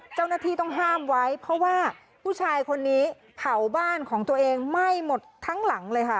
เจ้าหน้าที่ต้องห้ามไว้เพราะว่าผู้ชายคนนี้เผาบ้านของตัวเองไหม้หมดทั้งหลังเลยค่ะ